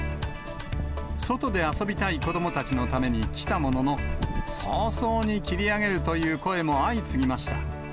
外で遊びたい子どもたちのために来たものの、早々に切り上げるという声も相次ぎました。